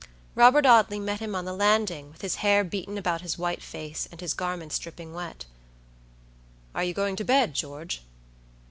Robert Audley met him on the landing, with his hair beaten about his white face, and his garments dripping wet. "Are you going to bed, George?"